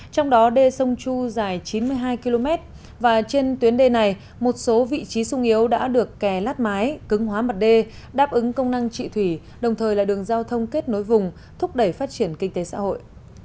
trong đó đê sông chu dài chín mươi hai km và trên tuyến đê này một số vị trí sung yếu đã được kè lát mái cứng hóa mặt đê đáp ứng công năng trị thủy đồng thời là đường giao thông kết nối vùng thúc đẩy phát triển kinh tế xã hội